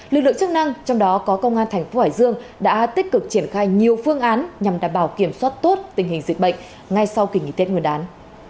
lực lượng chức năng trong đó có công an thành phố hải dương đã tích cực triển khai nhiều phương án nhằm đảm bảo kiểm soát tốt tình hình dịch bệnh ngay sau kỳ nghỉ tết nguyên đán